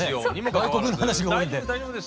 外国の話が多いんで。